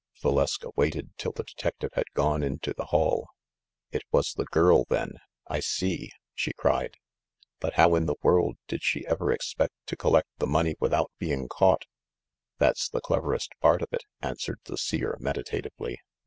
Valeska waited till the detective had gone into the hall. "It was the girl, then. I see !" she cried. "But how in the world did she ever expect to collect the money without being caught ?" "That's the cleverest part of it," answered tHe Seer meditatively.